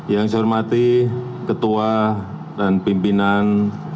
yang saya hormati ketua dan pimpinan